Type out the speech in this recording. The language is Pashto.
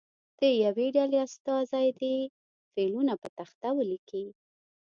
د یوې ډلې استازی دې فعلونه په تخته ولیکي.